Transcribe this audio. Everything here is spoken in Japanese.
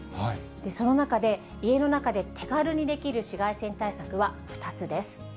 その中で、家の中で手軽にできる紫外線対策は２つです。